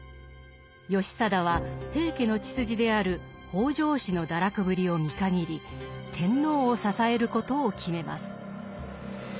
義貞は平家の血筋である北条氏の堕落ぶりを見限り天皇を支えることを決めます。